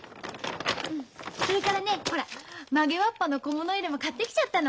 それからねほら曲げわっぱの小物入れも買ってきちゃったの。